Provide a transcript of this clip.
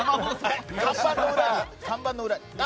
看板の裏に。